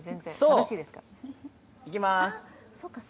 いきまーす。